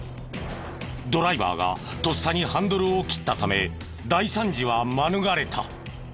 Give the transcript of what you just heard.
ドライバーがとっさにハンドルを切ったため大惨事は免れた。